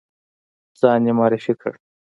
ځان یې معرفي کړ.